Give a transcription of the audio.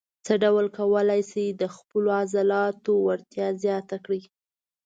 څه ډول کولای شئ د خپلو عضلاتو وړتیا زیاته کړئ.